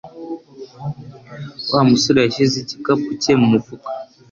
Wa musore yashyize igikapu cye mu mufuka.